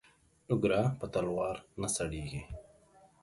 او گره په تلوار نه سړېږي.